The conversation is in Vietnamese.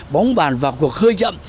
bóng bàn vào cuộc hơi chậm